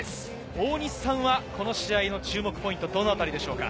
大西さんはこの試合の注目ポイント、どのあたりですか？